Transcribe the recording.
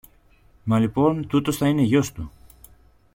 Μα λοιπόν τούτος θα είναι γιος του.